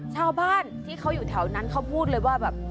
ชาวบ้านที่เขาอยู่แถวนั้นเขาพูดเลยว่าแบบ